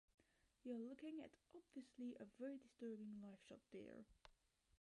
You are looking at obviously a very disturbing live shot there.